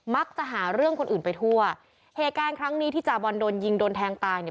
จะหาเรื่องคนอื่นไปทั่วเหตุการณ์ครั้งนี้ที่จาบอลโดนยิงโดนแทงตายเนี่ย